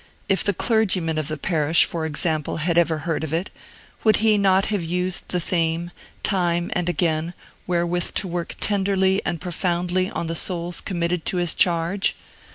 If the clergyman of the parish, for example, had ever heard of it, would he not have used the theme, time and again, wherewith to work tenderly and profoundly on the souls committed to his charge?